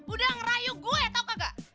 udah ngerayu gue tau gak